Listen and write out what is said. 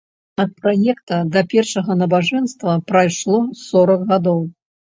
Ад праекта да першага набажэнства прайшло сорак гадоў.